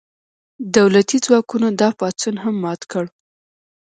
دولتي ځواکونو دا پاڅون هم مات کړ.